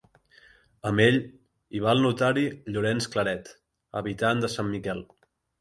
Amb ell hi va el notari Llorenç Claret, habitant de Sant Miquel.